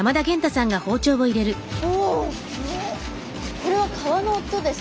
これは皮の音ですか？